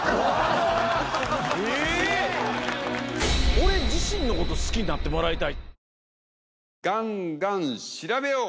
俺自身のこと好きになってもらいたい。